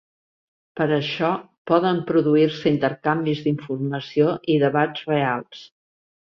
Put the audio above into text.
Per això, poden produir-se intercanvis d'informació i debats reals.